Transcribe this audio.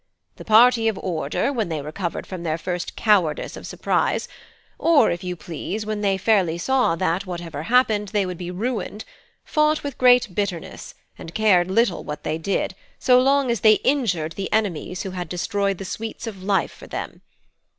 "The party of order, when they recovered from their first cowardice of surprise or, if you please, when they fairly saw that, whatever happened, they would be ruined, fought with great bitterness, and cared little what they did, so long as they injured the enemies who had destroyed the sweets of life for them.